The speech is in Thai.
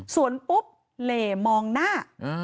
ส่วนปุ๊บเหล่มองหน้า